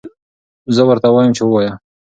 زه ورته وایم چې ووایه.